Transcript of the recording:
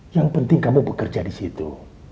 yang penting kamu bekerja disitu